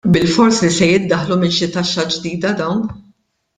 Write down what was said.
Bilfors li se jiddaħħlu minn xi taxxa ġdida dawn.